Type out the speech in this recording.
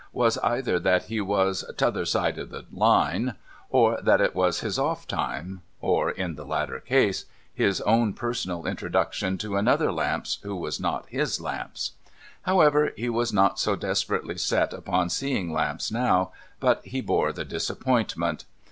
' was, either that he was ' t'other side the hne,' or, that it was his off time, or (in the latter cast ) his own personal introduction to another Lamps who was not his lamps. However, he was not so desi)erately set upon seeing Lamps now, but he bore the disappointment.